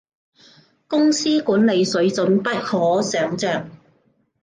公司管理，水準不可想像